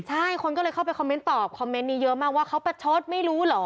ใช่คนก็เลยเข้าไปคอมเมนต์ตอบคอมเมนต์นี้เยอะมากว่าเขาประชดไม่รู้เหรอ